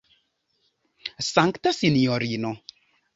Sankta sinjorino!